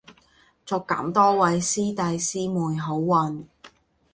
祝咁多位師弟師妹好運